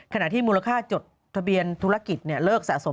ขณะที่มูลค่าจดทะเบียนธุรกิจเลิกสะสม